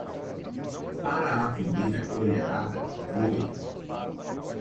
Para a primeira colherada, voe.